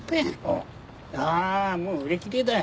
ああもう売り切れだよ。